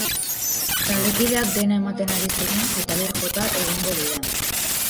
Taldekideak dena ematen ari ziren eta lur jota egongo dira.